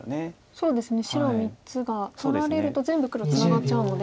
そうですね白３つが取られると全部黒ツナがっちゃうので。